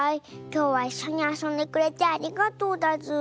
きょうはいっしょにあそんでくれてありがとうだズー。